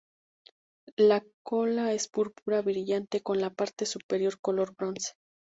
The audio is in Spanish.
La cola es púrpura brillante con la parte superior color bronce.